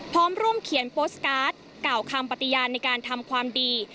พร้อมร่วมเขียนโพสต์การ์ดกล่าวคำปฏิญาณในการทำความดี